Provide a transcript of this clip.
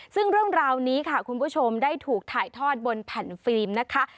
ซึ่งเรื่องราวนี้ค่ะคุณผู้ชมได้ถูกถ่ายทอดบนแผ่นฟิล์มนะคะ